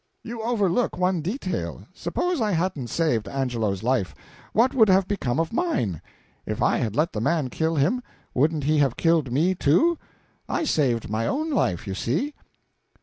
You overlook one detail; suppose I hadn't saved Angelo's life, what would have become of mine? If I had let the man kill him, wouldn't he have killed me, too? I saved my own life, you see."